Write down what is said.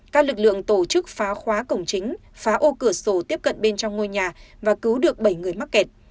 các lực lượng tổ chức phá khóa cổng chính phá ô cửa sổ tiếp cận bên trong ngôi nhà và cứu được bảy người mắc kẹt